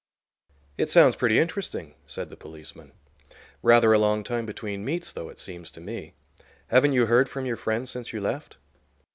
"It sounds pretty interesting," said the policeman. "Rather a long time between meets, though, it seems to me. Haven't you heard from your friend since you left?"